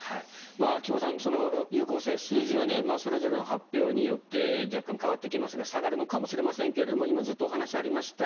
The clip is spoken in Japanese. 菊間さん、この有効性数字はそれぞれの発表によって若干変わってきますが下がるのかもしれませんが今、ずっと話がありました